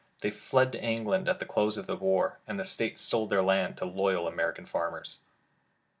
They fled to England at the close of the war, and the State sold their land to loyal American farmers.